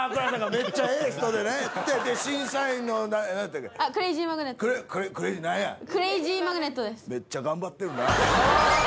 めっちゃ頑張ってるな。